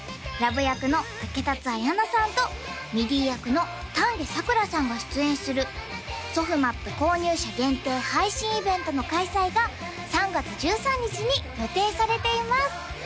ラヴ役の竹達彩奈さんとミディ役の丹下桜さんが出演するソフマップ購入者限定配信イベントの開催が３月１３日に予定されています